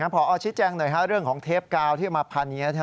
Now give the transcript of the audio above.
พอชิดแจ้งหน่อยเรื่องของเทปกาวที่มาพันธุ์นี้